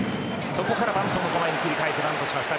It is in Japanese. そこからバントの構えに切り替えてバントしました。